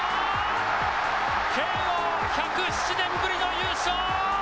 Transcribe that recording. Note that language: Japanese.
慶応１０７年ぶりの優勝！